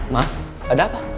mas ada apa